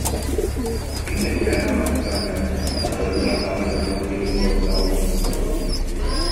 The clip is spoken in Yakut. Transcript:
Кини мээнэ oҕoну кытта оонньообот, хойут улааттаҕына дьоллоох киһи буолуохтаах oҕoнy кытта оонньуур